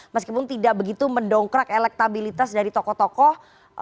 meskipun tidak begitu mendongkrak elektabilitas dari tokoh tokoh